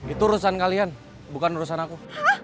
itu urusan kalian bukan urusan aku